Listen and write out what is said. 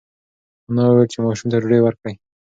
انا وویل چې ماشوم ته ډوډۍ ورکړئ.